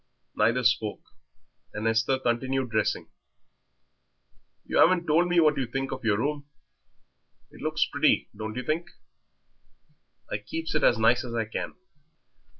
Neither spoke, and Esther continued dressing. "You 'aven't told me what you think of your room. It looks pretty, don't you think? I keeps it as nice as I can.